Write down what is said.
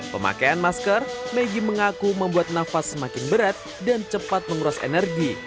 pemakaian masker maggie mengaku membuat nafas semakin berat dan cepat menguras energi